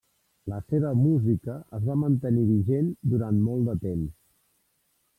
La seva música es va mantenir vigent durant molt de temps.